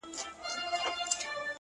د نازولي یار په یاد کي اوښکي غم نه دی،